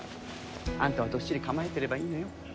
あんたはどっしり構えてればいいのよ。